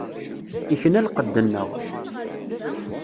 Ikna lqedd-nneɣ.